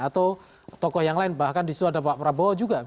atau tokoh yang lain bahkan di situ ada pak prabowo juga